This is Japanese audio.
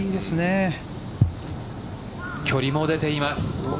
距離も出ています！